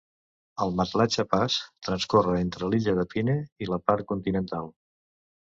El Matlacha Pass transcorre entre l'illa de Pine i la part continental.